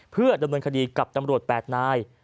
เพื่อดำเนินคดีกับตำรวจ๘นาย